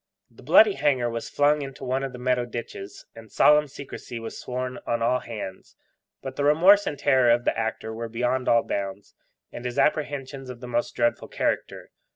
The bloody hanger was flung into one of the Meadow ditches, and solemn secrecy was sworn on all hands; but the remorse and terror of the actor were beyond all bounds, and his apprehensions of the most dreadful character.